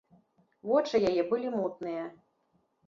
Вочы яе былі мутныя.